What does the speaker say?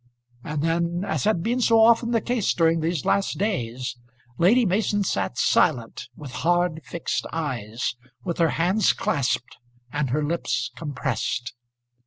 And then, as had been so often the case during these last days, Lady Mason sat silent, with hard, fixed eyes, with her hands clasped, and her lips compressed.